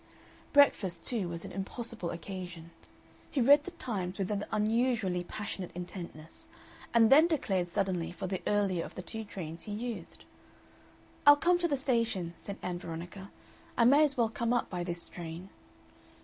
Breakfast, too, was an impossible occasion. He read the Times with an unusually passionate intentness, and then declared suddenly for the earlier of the two trains he used. "I'll come to the station," said Ann Veronica. "I may as well come up by this train."